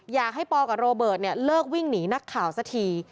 อยากให้ปอกับโรเบิร์ตเลิกวิ่งหนีนักข่าวสักที